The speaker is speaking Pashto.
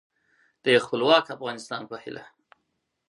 د یو خپلواک افغانستان په هیله